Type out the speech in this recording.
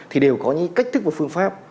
thì đều có những cách thức và phương pháp